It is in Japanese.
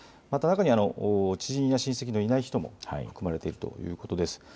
また中には知人や親戚のいない人も含まれているということです。